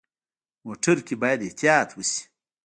موټر کې باید احتیاط وشي.